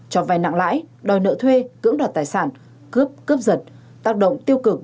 cho vai nặng lãi đòi nợ thuê cưỡng đoạt tài sản cướp cướp giật tác động tiêu cực